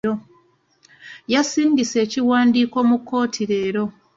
Yasindise ekiwandiiko mu kkooti leero.